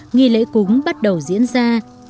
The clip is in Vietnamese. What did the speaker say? nghi lễ cúng bắt đầu diễn ra